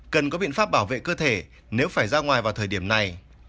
cần có biện pháp bảo vệ cơ thể nếu phải ra ngoài vào thời điểm này